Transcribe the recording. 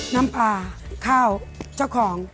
น้ำปลาข้าวเจ้าของ